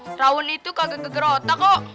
seraun itu kagak geger otak kok